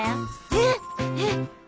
えっえっ。